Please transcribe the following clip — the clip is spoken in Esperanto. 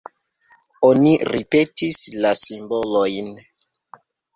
Oni ripetis la simbolojn.